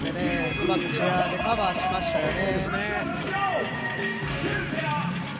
うまくチェアーでカバーしましたよね。